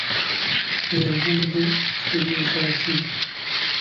Engugo kitegeeza ki?